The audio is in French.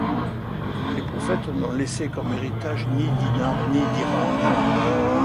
Les prophètes n'ont laissé comme héritage ni dinar ni dirham.